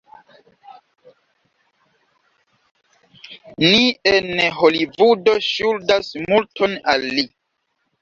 Ni en Holivudo ŝuldas multon al li.